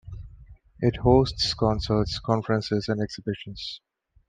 It hosts concerts, conferences and exhibitions.